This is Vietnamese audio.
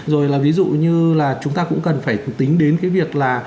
rồi là ví dụ như là chúng ta cũng cần phải tính đến cái việc là